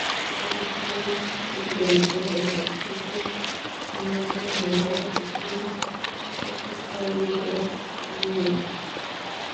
Para los humanos, estos incluyen ácidos grasos esenciales, aminoácidos esenciales, vitaminas y ciertos oligoelementos.